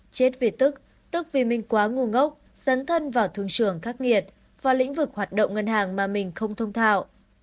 chết vì tức tức vì mình quá ngô ngốc sấn thân vào thương trường khắc nghiệt vào lĩnh vực hoạt động ngân hàng mà mình không thông thạo